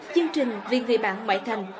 chương trình viên vị bạn ngoại thành